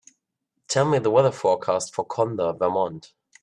Tell me the weather forecast for Conda, Vermont